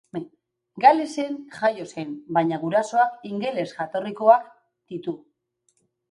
Galesen jaio zen, baina gurasoak ingeles jatorrikoak ditu.